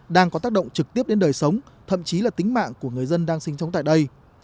đang có tác động trực tiếp đến đời sống thậm chí là tính mạng của người dân đang sinh sống tại đây